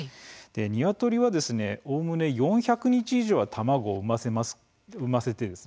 ニワトリは、おおむね４００日以上、卵を産ませます。